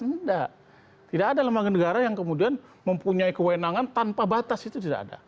tidak tidak ada lembaga negara yang kemudian mempunyai kewenangan tanpa batas itu tidak ada